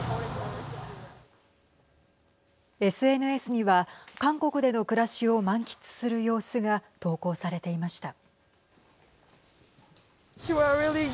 ＳＮＳには韓国での暮らしを満喫する様子が投稿されていました。